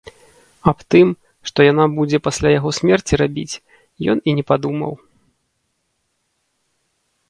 Аб тым, што яна будзе пасля яго смерці рабіць, ён і не падумаў.